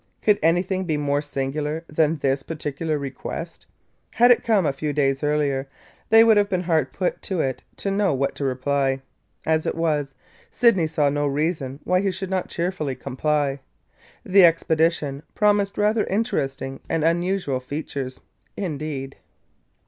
Could anything be more singular than this particular request? Had it come a few days earlier, they would have been hard put to it to know what to reply. As it was, Sydney saw no reason why he should not cheerfully comply. The expedition promised rather interesting and unusual features, indeed!